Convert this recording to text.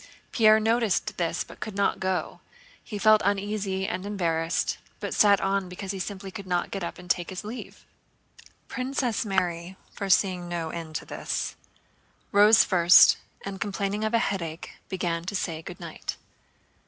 Pierre noticed this but could not go. He felt uneasy and embarrassed, but sat on because he simply could not get up and take his leave. Princess Mary, foreseeing no end to this, rose first, and complaining of a headache began to say good night.